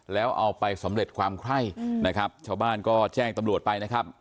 แล้วเอาไปสำเร็จความไคร้นะครับชาวบ้านก็แจ้งตำรวจไปนะครับ